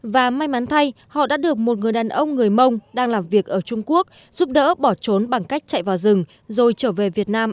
và may mắn thay họ đã được một người đàn ông người mông đang làm việc ở trung quốc giúp đỡ bỏ trốn bằng cách chạy vào rừng rồi trở về việt nam